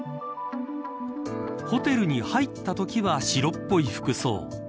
ホテルに入ったときは白っぽい服装。